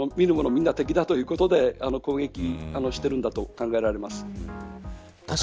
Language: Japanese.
みんな敵だということで攻撃をしているんだと考えられます。